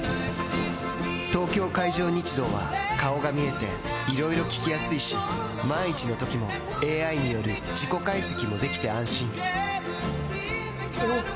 東京海上日動は顔が見えていろいろ聞きやすいし万一のときもＡＩによる事故解析もできて安心おぉ！